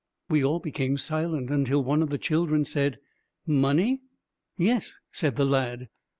We all became silent, until one of the children said: "Money?" "Yes," said the lad.